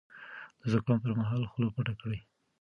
د زکام پر مهال خوله پټه کړئ.